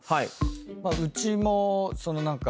うちもその何か。